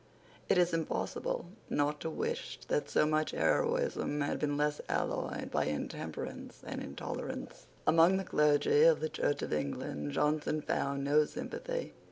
It is impossible not to wish that so much heroism had been less alloyed by intemperance and intolerance. Among the clergy of the Church of England Johnson found no sympathy.